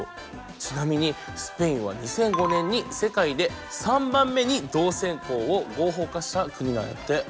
ちなみにスペインは２００５年に世界で３番目に同性婚を合法化した国なんやって。